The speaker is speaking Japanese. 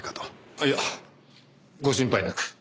あっいやご心配なく。